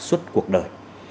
suốt cuộc đời